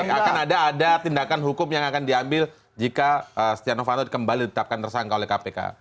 akan ada tindakan hukum yang akan diambil jika stiano fanto kembali ditetapkan tersangka oleh kpk